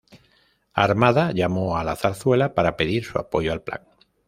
Armada llamó a la Zarzuela para pedir su apoyo al plan.